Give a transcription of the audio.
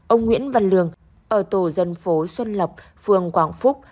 ông nguyễn văn lường ở tổ dân phố xuân lộc phường quảng phúc